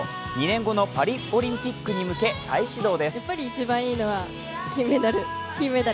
２年後のパリオリンピックに向け再始動です。